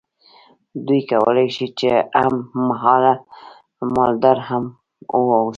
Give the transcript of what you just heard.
دوی کولی شول چې هم مهاله مالدار هم واوسي.